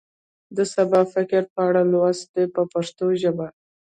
د سبا فکر په اړه لوست دی په پښتو ژبه.